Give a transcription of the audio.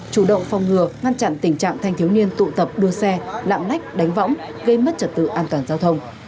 chủ động phòng ngừa ngăn chặn tình trạng thanh thiếu niên tụ tập đua xe lạng lách đánh võng gây mất trật tự an toàn giao thông